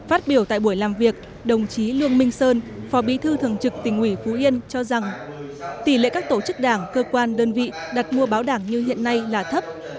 phát biểu tại buổi làm việc đồng chí lương minh sơn phó bí thư thường trực tỉnh ủy phú yên cho rằng tỷ lệ các tổ chức đảng cơ quan đơn vị đặt mua báo đảng như hiện nay là thấp